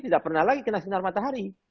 tidak pernah lagi kena sinar matahari